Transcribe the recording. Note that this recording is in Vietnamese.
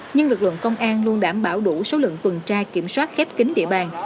nhưng lực lượng công an luôn đảm bảo đủ số lượng tuần tra kiểm soát khép kính địa bàn